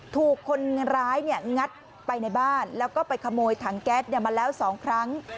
ถูกคนร้ายเนี่ยงัดไปในบ้านแล้วก็ไปขโมยทางแก๊สเนี่ยมาแล้วสองครั้ง